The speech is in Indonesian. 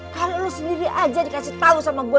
kalau lu sendiri aja dikasih tau sama gue